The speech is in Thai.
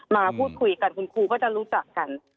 มาพูดคุยกันคุณครูก็จะรู้จักกัน